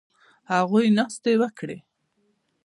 هغوی ناستې وکړې